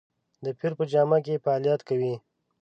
د پیر په جامه کې فعالیت کوي.